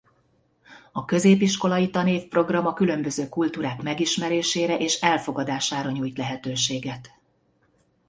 A Középiskolai tanév program a különböző kultúrák megismerésére és elfogadására nyújt lehetőséget.